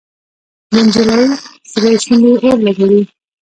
د نجلۍ سرې شونډې اور لګوي.